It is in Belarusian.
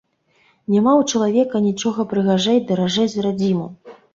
Няма ў чалавека нічога прыгажэй і даражэй за радзіму.